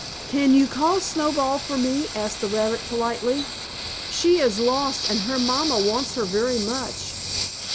"Can you call 'Snowball' for me?" asked the rabbit, politely. "She is lost and her mamma wants her very much.